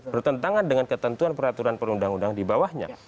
bertentangan dengan ketentuan peraturan perundang undang di bawahnya